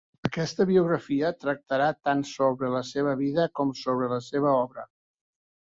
Aquesta biografia tractarà tant sobre la seva vida com sobre la seva obra.